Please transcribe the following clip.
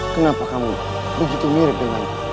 kenapa kamu begitu mirip dengan aku